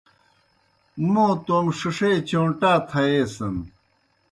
موں توموْ ݜِݜے چوݩٹا تھییسِن۔